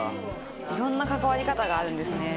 いろんな関わり方があるんですね。